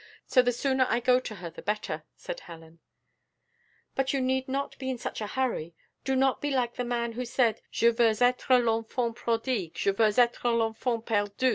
So the sooner I go to her the better," said Helen. "But you need not be in such a hurry; do not be like the man who said, 'Je veux être l'enfant prodigue, je veux être l'enfant perdu.